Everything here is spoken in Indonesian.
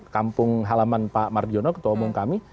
kampung halaman pak marjono ketua umum kami